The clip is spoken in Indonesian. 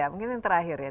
mungkin yang terakhir ya